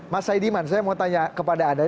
mas saidiman saya mau tanya kepada anda